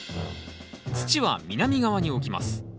土は南側に置きます。